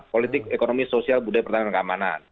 politik ekonomi sosial budaya pertahanan dan keamanan